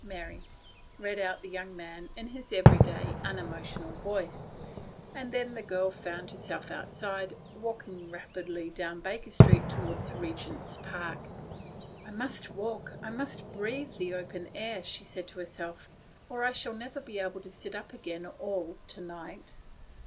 — Mary," read out the young man in his every day unemo tional voice ; and then the girl found herself outside, walking rapidly down Baker Street toward the Regent's Park. " I must walk ; I must breathe the open air," she said to herself, " or I shall never be able to sit up again all to night."